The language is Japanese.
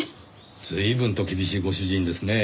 随分と厳しいご主人ですねぇ。